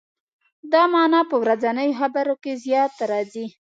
دا معنا په ورځنیو خبرو کې زیات راځي.